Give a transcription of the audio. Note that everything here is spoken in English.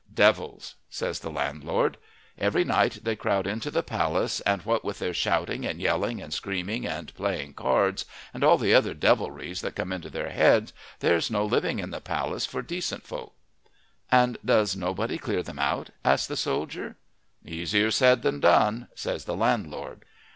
"Devils," says the landlord. "Every night they crowd into the palace, and, what with their shouting and yelling and screaming and playing cards, and all the other devilries that come into their heads, there's no living in the palace for decent folk." "And does nobody clear them out?" asks the soldier. "Easier said than done," says the landlord.